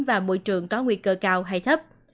và môi trường có nguy cơ cao hay thấp